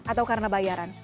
atau karena bayaran